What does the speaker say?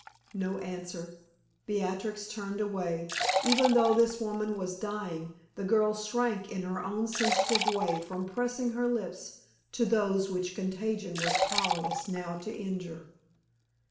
No answer; Beatrix turned away. Even though this woman was dying, the girl shrank in her own sensitive way from pressing her lips to those which contagion was powerless now to injure.